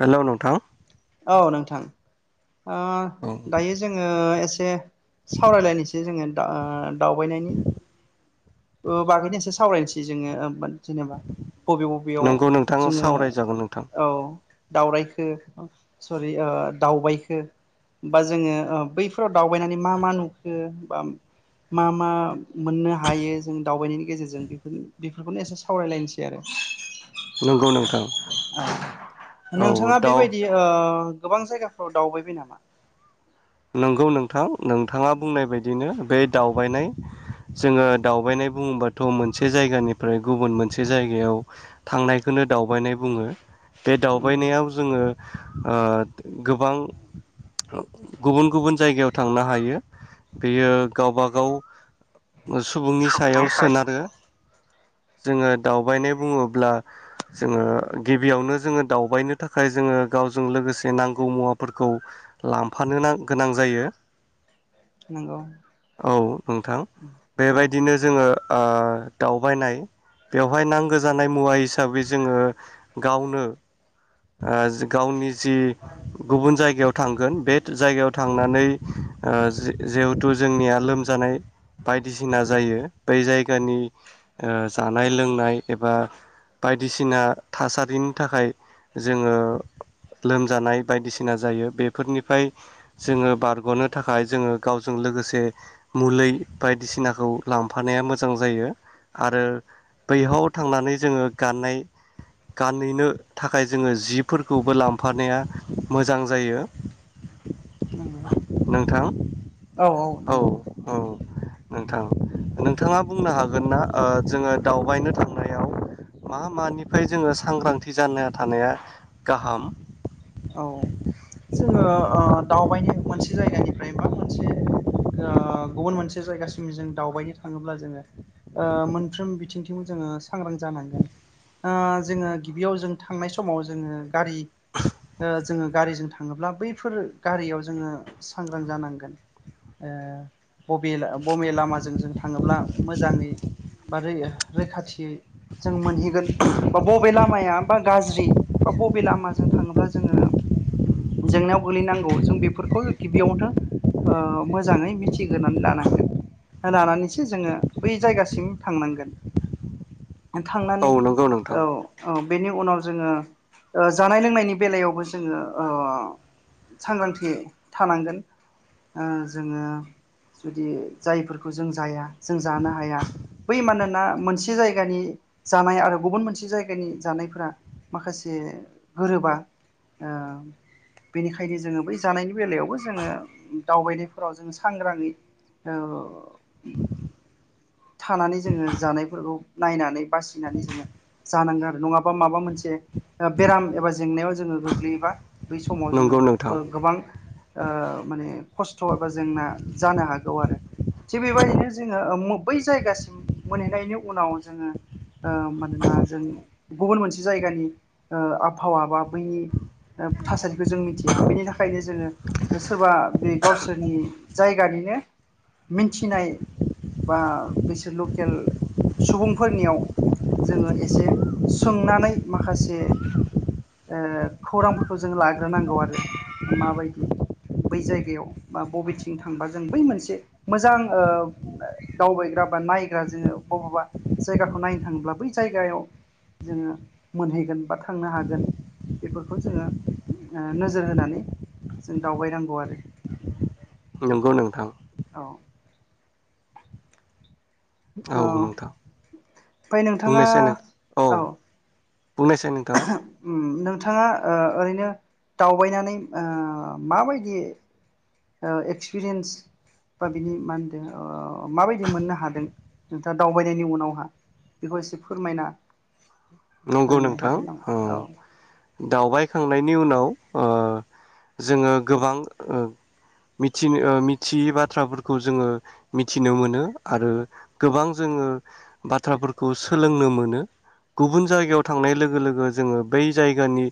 Hello नोंथां। औ नोंथां। ओ औ दायो जोङो एसे से सावरायलायनोसै जोङो दा दावबायनायनि। ओ बागैनो एसे सावरायनोसै जोङो ओ मोन। जेनेबा बबे बबेयाव नंगौ नोंथां जोङो सावरायजागोन नोंथां औ। दावरायखो सरि ओ दावबायखो बा जोङो बैफोराव दावबायनानै मा मा नुखो बा मा मा मोननो हायो जों दावबायनायनि गेजेरजों बेफोर बेफोरखौनो एसे सावरायलायनोसै आरो। नंगौ नोंथां। औ नोंथाङा दाउ बेबायदि ओ गोबां जायगाफ्राव दावबायबाय नामा? नंगौ नोंथां। नोंथाङा बुंनाय बायदिनो बे दावबायनाय जोङो दावबायनाय बुङोबाथ' मोनसे जायगानिफ्राय गुबुन मोनसे जायगायाव थांनायखोनो दावबायनाय बुङो। बे नंगौ दावबायनायाव जोङो ओ गोबां ओ ओ। गुबुन गुबुन जायगायाव थांनो हायो बेयो गावबागाव सुबुंनि सायाव सोनारो। जोङो दावबायनाय बुङोब्ला जोङो गिबियावनो जोङो दावबायनो थाखाय जोङो गावजों लोगोसे नांगौ मुवाफोरखौ लाम फानो नां गोनां जायो। नंगौ औ नोंथां औ बेबायदिनो जोङो ओ दावबायनाय बेवहाय नांगौ जानाय मुवा हिसाबै जोङो गावनो ओ गावनि जि गुबुन जायगायाव थांगोन बे जायगायाव थांनानै ओ जि जिहेथु जोंनिया लोमजानाय बायदिसिना जायो बै जायगानि ओ जानाय लोंनाय एबा बायदिसिना थासारिनि थाखाय जोङो लोमजानाय बायदिसिना जायो बेफोरनिफ्राय जोङो बारग'नो थाखाय जोङो गावजों लोगोसे मुलै बायदिसिनाखौ लांफानाया मोजां जायो आरो बैहाव थांनानै जोङो गाननाय गानहैनो थाखाय जोङो जिफोरखौबो लांफानाया मोजां जायो। नंगौ नोंथां औ औ। नोंथां नोंथाङा बुंनो हागोन ना ओ जोङो दावबायनो थांनायाव मा मानिफ्राय जोङो सांग्रांथि जाना थानाया गाहाम? औ जोङो ओ दावबायनो मोनसे जायगानिफ्राय बा मोनसे ओ गुबुन मोनसे जायगासिम जों दावबायनो थाङोब्ला जोङो ओ मोनफ्रोम बिथिंथिंबो जोङो सांग्रां जानांगोन। ओ जोङो गिबियाव जों थांनाय समाव जोङो गारि ओ जोङो गारिजों थाङोब्ला बैफोर गारियाव जोङो सांग्रां जानांगोन ओ बबे ला बबे लामाजों जों थाङोब्ला मोजाङै बा लै रैखाथियै जों मोनहैगोन बा बबे लामाया बा गाज्रि बा बबे लामाजों थाङोब्ला जों जोङो जेंनायाव गोलैनांगौ जों बेफोरखौ गिबियावनो ओ मोजाङै मिथिग्रोनानै लानांगोन लानानैसो जोङो बै जायगासिम थांनांगोन। औ थांनानै नंगौ नोंथां औ औ बेनि उनाव जोङो जानाय लोंनायनि बेलायावबो जोङो ओ सांग्रांथि थानांगोन। ओ जोङो जुदि जायफोरखौ जों जाया जों जानो हाया बै मानोना मोनसे जायगानि जानाय आरो गुबुन मोनसे जायगानि जानायफोरा माखासे गोरोबा ओ बेनिखायनो जोङो बै जानायनि बेलायावबो जोङो दावबायनायफोराव जोङो सांग्राङै ओ थानानै जोङो जानायफोरखौ नायनानै बासिनानै जोङो जानांगोन आरो नङाबा माबा मोनसे ओ बेराम एबा जेंनायाव ज जोङो गोग्लैयोबा बै समाव जोङो नंगौ नोंथां गोबां ओ माने खस्थ' एबा जेंना जानो हागौ आरो थिग बेबायदिनो जोङो ओ मो बै जायगासिम मोनहैनायनि उनाव जोङो ओ मानोना जों गुबुन मोनसे जायगानि आबहावा बा बैनि ओ थासारिखौ जों मिथिया बेनि थाखायनो जोङो सोरबा बे गावसोरनि जायगानिनो मिथिनाय बा बिसोर लकेल सुबुंफोरनियाव जोङो एसे सोंनानै माखासे ओ खौरांफोरखौ जों लाग्रोनांगौ आरो माबायदि बै जायगायाव बा बबेथिं थांबा जों बै मोनसे मोजां ओ दावबायग्रा बा नायग्रा जोङो बबेबा जायगाखौ नायनो थाङोब्ला बै जायगायाव जोङो मोनहैगोन बा थांनो हागोन बेफोरखौ जोङो ओ नोजोर होनानै जों दावबायनांगौ आरो। नंगौ नोंथां औ औ ओमफ्राय नोंथाङा बुंनायसाय नों औ बुंनायसाय नोंथाङा [unintelligible] नोंथाङा ओरैनो दावबायनानै माबायदि एक्सपिरियेन्स बा बिनि मा होनदों माबायदि मोननो हादों नोंथाङा दावबायनायनि उनावहा बेखौ एसे फोरमायना नंगौ होनो नोंथां हागोन नामा औ दावबायखांनायनि उनाव जोङो गोबां मिथियै बाथ्राफोरखौ जोङो मिथिनो मोनो आरो गोबां जोङो बाथ्राफोरखौ सोलोंनो मोनो गुबुन जायगायाव थांनाय लोगो लोगो जोङो बै जायगानि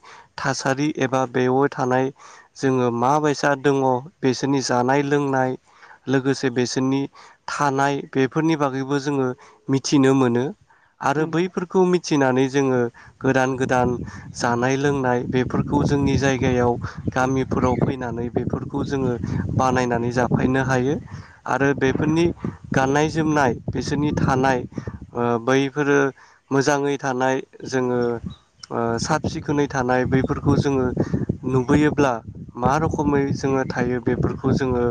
थासारि एबा बेयाव थानाय जोङो माबायसा दङ बेसोरनि जानाय लोंनाय लोगोसे बेसोरनि थानाय बेफोरनि बागैबो जोङो मिथिनो मोनो। आरो नंगौ बैफोरखौ मिथिनानै जोङो गोदान गोदान जानाय लोंनाय बेफोरखौ जोंनि जायगायाव गामिफोराव फैनानै बेफोरखौ जोङो बानायनानै जाफायनो हायो आरो बेफोरनि गाननाय जोमनाय बेसोरनि थानाय बैफोरो मोजाङै थानाय जोङो साब सिखोनै थानाय बैफोरखौ जोङो नुबोयोब्ला मा रोखोमै जोङो थायो बेफोरखौ जोङो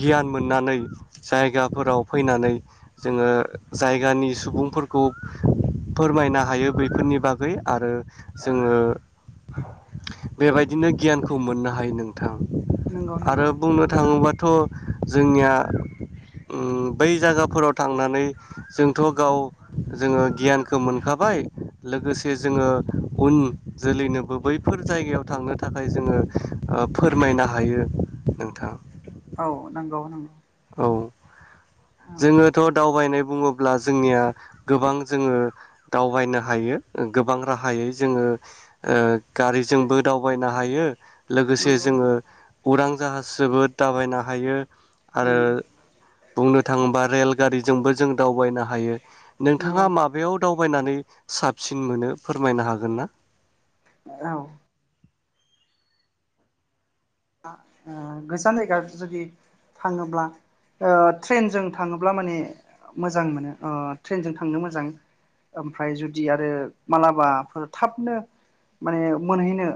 गियान मोननानै जायगाफोराव फैनानै जोङो जायगानि सुबुंफोरखौ फोरमायनो हायो बैफोरनि बागै आरो जोङो बेबायदिनो गियानखौ मोननो हायो नोंथां। नंगौ आरो नंगौ बुंनो थाङोबा थ जोंनिया बै जायगाफोराव थांनानै जोंथ' गाव जोङो गियान मोनखाबाय लोगोसे जोङो उन जोलैनोबो बैफोर जायगायाव थांनो थाखाय जोङो फोरमायनो हायो नोंथां। औ नंगौ नंगौ औ औ जोङोथ' दावबायनाय बुङोब्ला जोंनिया गोबां जोङो दावबायनो हायो गोबां राहायै जोङो गारिजोंबो दावबायनो हायो। लोगोसे नंगौ जोङो उरां जाहास जोबो दावबायनो हायो। आरो उम बुंनो थाङोबा रेल गारिजोंबो जों दावबायनो हायो। नंगौ नोंथाङा माबायाव दाव बायनानै साबसिन मोनो फोरमायनो हागोन ना? औ गोजान जायगा जुदि थाङोब्ला ट्रेनजों थाङोब्ला माने मोजां मोनो ट्रेनजों थांनो मोजां ओमफ्राय जुदि आरो मालाबाफोर थाबनो माने मोनहैनो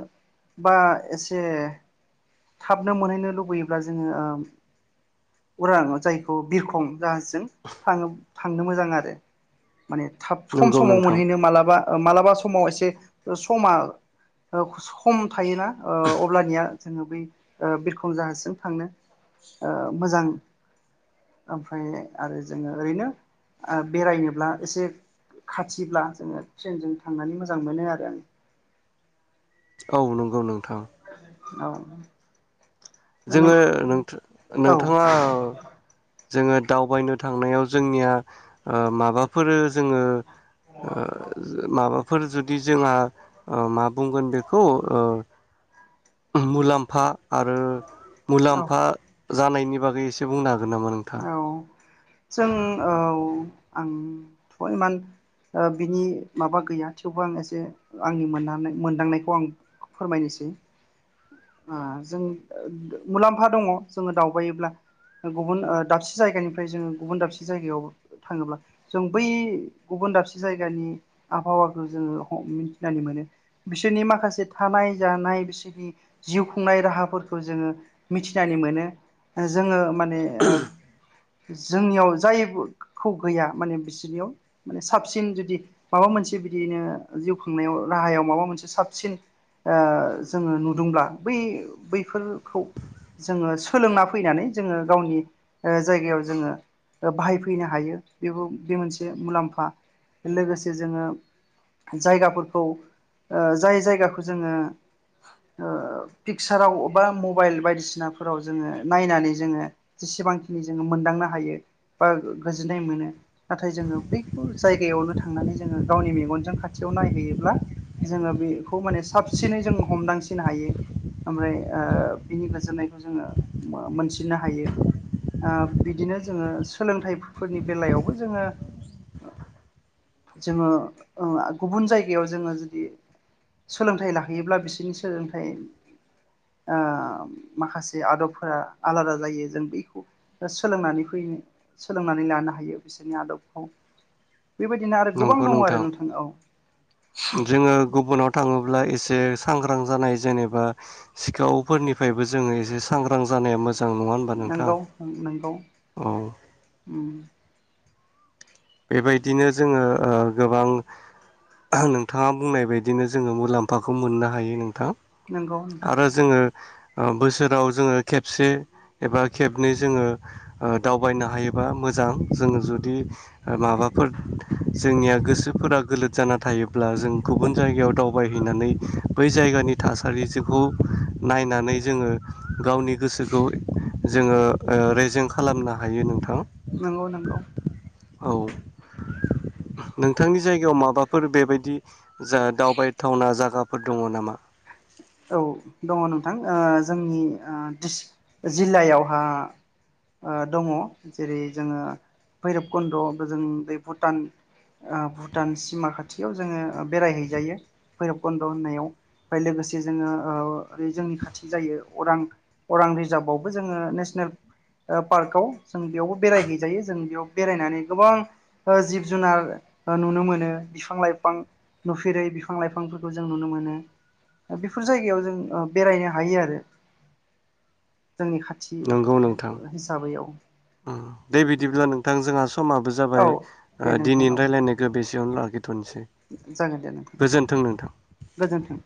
बा एसे थाबनो मोनहैनो लुबैयोब्ला जोङो उरांव जायखौ बिरखं जाहाजजों थाङो थांनो मोजां आरो माने थाब खम नंगौ समाव नोंथां मोनहैनो मालाबा माला। मा समाव एसे समा सम थायोना ओ अब्लानिया। जोङो बै ओ बिरखं जाहाजजों थांनो ओ मोजां ओमफ्राय आरो जोङो ओरैनो बेरायनोब्ला एसे खाथिब्ला जोङो ट्रेनजों थांनानै मोजां मोनो आरो आं। औ नंगौ नोंथां। औ। जोङोथ नोंथाङा। जोङो दावबायनो थांनायाव जोंनिया ओ माबाफोरो जोङो। ओ माबाफोर जुदि जोंहा ओ मा बुंगोन बेखौ ओ। मुलाम्फा आरो। औ मुलाम्फा। जानायनि बागै एसे बुंनो हाग। गोन नामा नोंथा। औ औ जों औ आंथ' इमान ओ बिनि माबा गैया थेवबो आं एसे आंनि मोन मोनदांनायखौ आं फोरमायनोसै ओ जों मुलाम्फा दङ जोङो दावबायोब्ला गुबुन ओ। दाबसे जायगानिफ्राय जोङो गुबुन दाबसे जायगायाव थाङोब्ला जों बै गुबुन दाबसे जायगानि आबहावाखौ जोङो मिथिनानै मोनो बिसोरनि माखासे थानाय जानाय बिसोरनि जिउ खुंनाय राहाफोरखौ जोङो मिथिनानै मोनो जोङो। माने ओ। जोंनियाव जायखौ गैया माने बिसोरनियाव माने साबसिन जुदि माबा मोनसे बिदियैनो जिउ खांनायाव राहायाव माबा मोनसे साबसिन ओ जोङो नुदोंब्ला बै बैफोरखौ जोङो सोलोंना फैनानै जोङो गावनि। ऐ जायगायाव जोङो बाहायफैनो हायो बेबो बे मोनसे मुलाम्फा लोगोसे जोङो जायगाफोरखौ ओ जाय जायगाखौ जोङो ओ पिकसाराव बा मबाइल बायदिसिनाफोराव जोङो नायनानै जोङो जेसेबां। जोङो मोनदांनो हायो बा गोजोननाय मोनो नाथाय जोङो बैखौ जायगायावनो थांनानै जोङो गावनि मेगनजों खाथियाव नायहैयोब्ला जोङो बेखौ माने साबसिनै जों हमदांसिनो हायो ओमफ्राय ओ बिनि गोजोननायखौ जोङो मोनसिननो हायो। ओ बिदिनो जोङो सोलोंथाइफोरनि बेलायावबो जोङो जोङो ओ गुबुन जायगायाव जोङो जुदि सोलोंथाइ लाहैयोब्ला बिसोरनि सोलोंथाइ ओ माखासे आदबफोरा आलादा जायो जों बेखौ। सोलोंनानै फैनो सोलोंनानै लानो हायो बिसोरनि आदबखौ। बेबायदिनो आरो गोबां दङ आरो नोंथां औ। जोङो गुबुनाव थाङोब्ला एसे सांग्रां जानाय जेनेबा सिखावफोरनिफ्रायबो जोङो एसे सांग्रां जानाया मो। नोंगौ-नोंगौ औ उम। बेबायदिनो जोङो ओ गोबां नोंथाङा बुंनाय बायदिनो जोङो मुलाम्फाखौ मोननो हायो नोंथां। नोंगौ नोंथां। आरो जोङो ओ बोसोराव जोङो खेबसे एबा खेबनै जोङो ओ। दावबायनो हायोबा मोजां जोङो जुदि ओ माबाफोर जोंनिया गोसोफोरा गोलोद जाना थायोब्ला जों गुबुन जायगायाव दावबायहैनानै बै जायगानि थासारिजोखौ नायनानै जोङो गावनि गोसोखौ जोङो ओ रेजें खालामनो हायो नोंथां। नंगौ नंगौ। औ नोंथांनि जायगायाव माबाफोर बेबायदि। जा दावबायथावना जागा। फोर दङ नामा। औ दङ नोंथां ओ जोंनि ओ द्रि जिल्लायावहा दङ जेरै जोङो भैरब कुन्द' जों बे भुटान ओ भुटान सिमा खाथियाव जोङो बेरायहैजायो भैरब कुन्द' होननायाव ओमफ्राय लोगोसे। जोङोओ जोंनि खाथि जायो अरां अरां रिजार्भआवबो जोङो नेसनेल ओ पार्कआव। जों बेवबो बेरायहैजायो जों बेयाव। बेरायनानै गोबां ओ जिब जुनार ओ नुनो मोनो बिफां लाइफां नुफेरै बिफां लाइफांफोरखौ जों नुनो मोनो। बेफोर जायगायाव जों ओ बेरायनो हायो आरो। जोंनि खाथि नोंगौ नोंथां हिसाबै औ उम दे बिदिब्ला नोंथां जोंहा। समाबो औ जाबाय ओ दे नोंथां दिनैनि औ रायजलायनायखौ बेसे मावनो लाखि जागोन दे नोंथां, नोंथां गोजोन्थों।